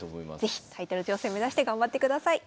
是非タイトル挑戦を目指して頑張ってください。